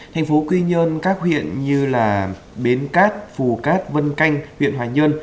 thành phố quy nhơn các huyện như bến cát phù cát vân canh huyện hoài nhơn